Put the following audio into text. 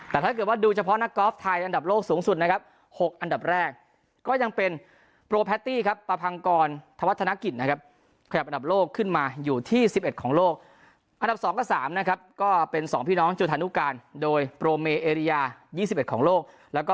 แต่ถ้าเกิดว่าดูเฉพาะห้องนักกอล์ฟไทยอันดับโลกสูงสุดนะครับ๖อันดับแรก